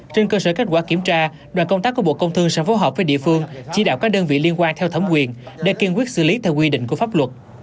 trên cơ sở kết quả kiểm tra đoàn công tác của bộ công thương sẽ phối hợp với địa phương chỉ đạo các đơn vị liên quan theo thẩm quyền để kiên quyết xử lý theo quy định của pháp luật